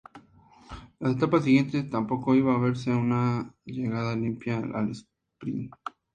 En las etapas siguientes, tampoco iba a verse una llegada limpia al sprint.